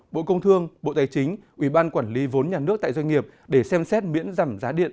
bộ công thương bộ tài chính ủy ban quản lý vốn nhà nước tại doanh nghiệp để xem xét miễn giảm giá điện